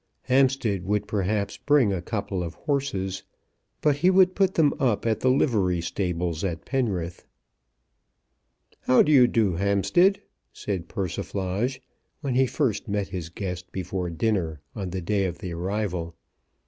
Hampstead would perhaps bring a couple of horses, but he would put them up at the livery stables at Penrith. "How do you do, Hampstead," said Persiflage when he first met his guest before dinner on the day of the arrival.